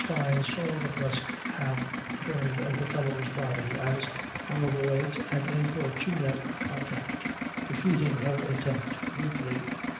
Fyne saw the brusque half turn of the fellow's body as one avoids an importunate contact, defeating her attempt rudely.